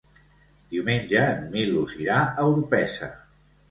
Diumenge en Milos irà a Orpesa.